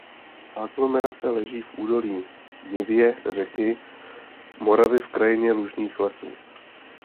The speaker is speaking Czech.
Aglomerace leží v údolní nivě řeky Moravy v krajině lužních lesů.